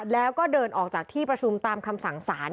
แล้วก็เดินออกจากที่ประชุมตามคำสั่งสาร